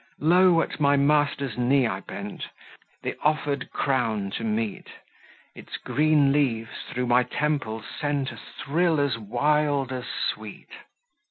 Low at my master's knee I bent, The offered crown to meet; Its green leaves through my temples sent A thrill as wild as sweet.